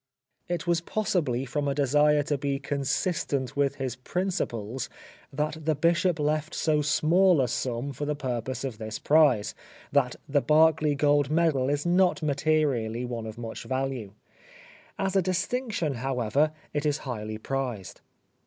It was possibly from a desire to be consistent with his principles that the Bishop left so small a sum for the purpose of this prize that the Berkeley Gold Medal is not materially one of much value. As a distinction, however, it is highly prized.